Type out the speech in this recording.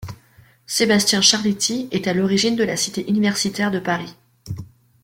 Sébastien Charléty est à l'origine de la Cité Universitaire de Paris.